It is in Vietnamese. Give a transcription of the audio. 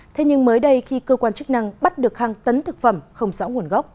thế nhưng mới đây khi cơ quan chức năng bắt được hàng tấn thực phẩm không rõ nguồn gốc